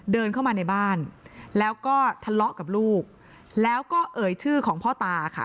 เดินเข้ามาในบ้านแล้วก็ทะเลาะกับลูกแล้วก็เอ่ยชื่อของพ่อตาค่ะ